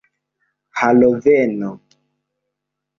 haloveno